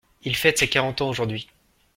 Il fête ses quarante ans aujourd'hui.